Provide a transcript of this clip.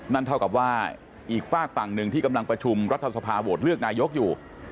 นั่นเท่ากับว่าอีกฝากฝั่งหนึ่งที่กำลังประชุมรัฐสภาโหวตเลือกนายกอยู่